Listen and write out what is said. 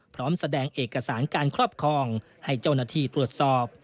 พร้อมแสดงเอกสารการครอบครองให้เจ้าหน้าที่ตรวจสอบ